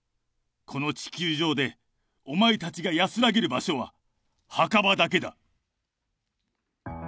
この地球上でお前たちが安らげる場所は墓場だけだ。